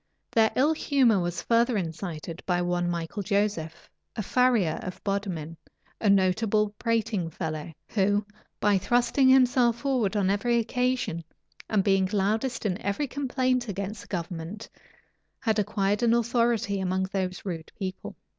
Their ill humor was further incited by one Michael Joseph, a farrier of Bodmin, a notable prating fellow, who, by thrusting himself forward on every occasion, and being loudest in every complaint against the government, had acquired an authority among those rude people.